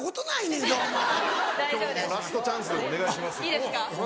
ラストチャンスでお願いします。